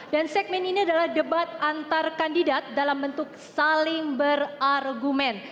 dan segmen ini adalah debat antar kandidat dalam bentuk saling berargumen